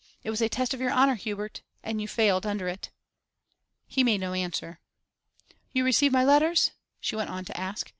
It was a test of your honour, Hubert and you failed under it.' He made no answer. 'You received my letters?' she went on to ask.